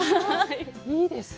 いいですね。